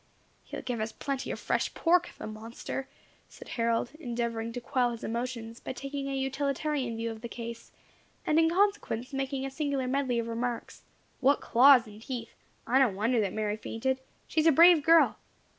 "He will give us plenty of fresh pork, the monster!" said Harold, endeavouring to quell his emotions, by taking a utilitarian view of the case, and, in consequence, making a singular medley of remarks, "What claws and teeth! I don't wonder that Mary fainted! She is a brave girl!"